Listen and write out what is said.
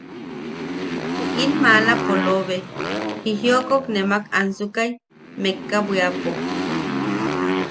Ju in maala polobe, jijiokot nemak ansukai mekka bwiapo. .